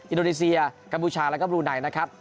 อินโดนีเซียกัมพูชาแล้วก็บรูไนนะครับ